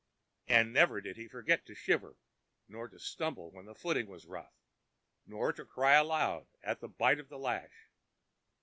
But never did he forget to shiver, nor to stumble where the footing was rough, nor to cry aloud at the bite of the lash.